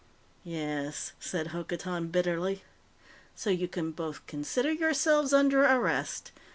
"Yes," said Hokotan bitterly. "So you can both consider yourselves under arrest.